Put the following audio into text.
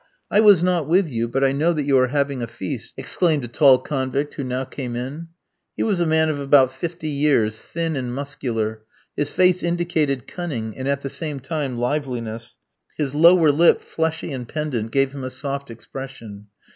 "I was not with you, but I know that you are having a feast," exclaimed a tall convict who now came in. He was a man of about fifty years, thin and muscular. His face indicated cunning, and, at the same time, liveliness. His lower lip, fleshy and pendant, gave him a soft expression.